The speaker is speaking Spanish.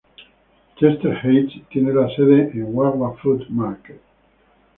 Chester Heights tiene la sede de Wawa Food Market.